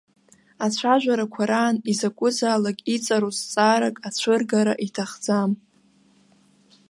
Ацәажәарақәа раан, изакәызаалак иҵару зҵаарак ацәыргара иҭахӡам.